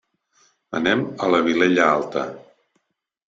Anem a la Vilella Alta.